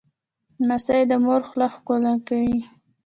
لمسی د مور خوله ښکوله کوي.